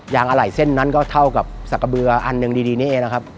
อะไหล่เส้นนั้นก็เท่ากับสักกระเบืออันหนึ่งดีนี่เองนะครับ